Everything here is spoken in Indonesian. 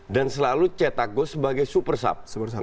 dan selalu cetak gol sebagai super sub